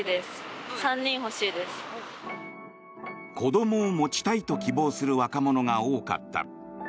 子どもを持ちたいと希望する若者が多かった。